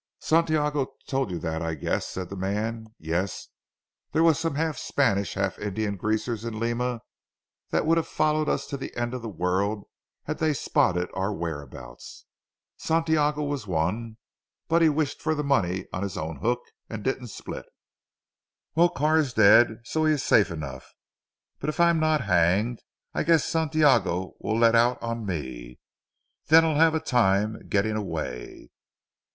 "Santiago told you that I guess," said the man. "Yes, there was some half Spanish half Indian greasers in Lima that would have followed us to the end of the world had they spotted our whereabouts. Santiago was one, but he wished for the money on his own hook and didn't split. Well Carr is dead so he is safe enough, but if I'm not hanged I guess Santiago will let out on me. Then I'll have a time getting away."